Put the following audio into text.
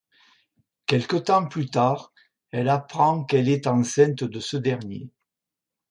Quelque temps plus tard, elle apprend qu'elle est enceinte de ce dernier.